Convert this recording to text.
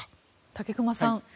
武隈さん